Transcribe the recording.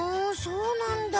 そうなんだ。